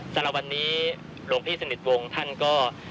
สำหรับวันนี้หลวงพี่สนิทวงศ์ท่านก็